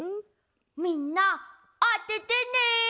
みんなあててね！